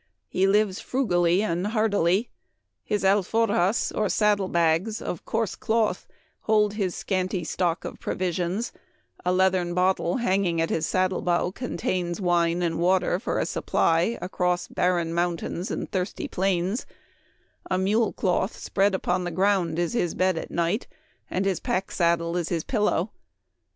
He lives frugally and hardily. His alforjas (or sad dle bags) of coarse cloth hold his scanty stock of provisions, a leathern bottle hanging at his saddle bow contains wine or water for a supply across barren mountains and thirsty plains, a mule cloth spread upon the ground is his bed at night, and his pack saddle is his pillow.